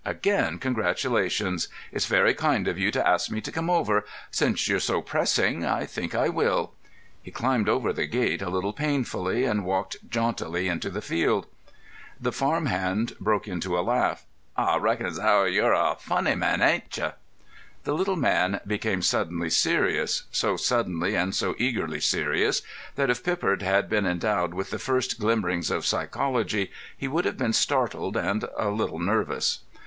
Again congratulations! It's very kind of you to ask me to come over. Since you're so pressing, I think I will." He climbed over the gate a little painfully and walked jauntily into the field. The farm hand broke into a laugh. "Ah reckon as 'ow you're a funny man, ain't you?" The little man became suddenly serious, so suddenly and so eagerly serious, that if Pippard had been endowed with the first glimmerings of psychology, he would have been startled and a little nervous.